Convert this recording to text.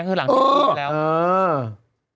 อองนเออ